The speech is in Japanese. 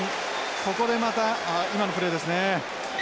ここでまたあっ今のプレーですね。